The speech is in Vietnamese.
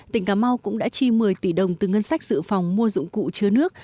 tỉnh cà mau cũng đã chi một mươi tỷ đồng từ ngân sách sự phòng mua dụng cụ chứa nước